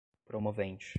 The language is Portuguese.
promovente